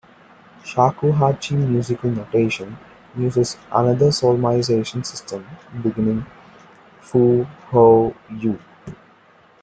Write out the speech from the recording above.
Shakuhachi musical notation uses another solmization system beginning "Fu Ho U".